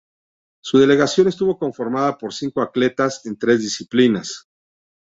Su delegación estuvo conformada por cinco atletas en tres disciplinas.